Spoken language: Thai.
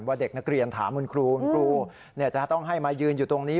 เด็กนักเรียนถามคุณครูคุณครูจะต้องให้มายืนอยู่ตรงนี้